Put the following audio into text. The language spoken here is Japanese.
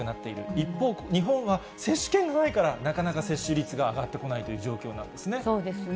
一方、日本は接種券がないから、なかなか接種率が上がってこないという状況なんですね。